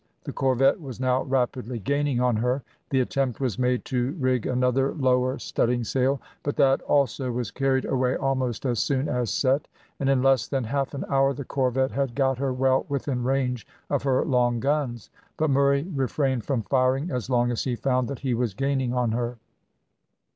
The corvette was now rapidly gaining on her; the attempt was made to rig another lower studding sail, but that also was carried away almost as soon as set, and in less than half an hour the corvette had got her well within range of her long guns; but Murray refrained from firing as long as he found that he was gaining on her.